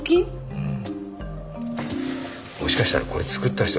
うん。